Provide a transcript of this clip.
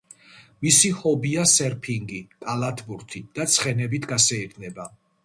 მისი ჰობია სერფინგი, კალათბურთი და ცხენებით გასეირნება.